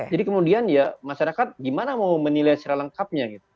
jadi kemudian ya masyarakat gimana mau menilai secara lengkapnya